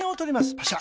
パシャ。